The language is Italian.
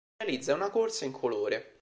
Realizza una corsa incolore.